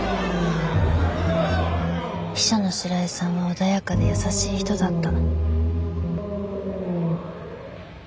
秘書の白井さんは穏やかで優しい人だった。